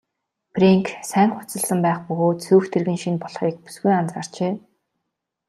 Фрэнк сайн хувцасласан байх бөгөөд сүйх тэрэг нь шинэ болохыг бүсгүй анзаарчээ.